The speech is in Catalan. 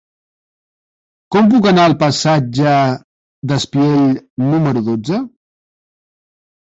Com puc anar al passatge d'Espiell número dotze?